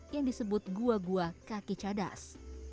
yang disebut gua gua kaki cadas